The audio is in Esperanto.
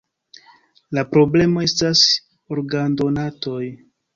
La problemo estas organdonantoj.